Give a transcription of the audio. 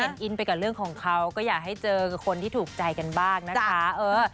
อินไปกับเรื่องของเขาก็อยากให้เจอกับคนที่ถูกใจกันบ้างนะคะ